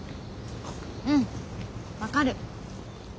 うん分かる。